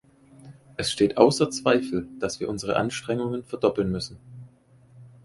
Es steht außer Zweifel, dass wir unsere Anstrengungen verdoppeln müssen.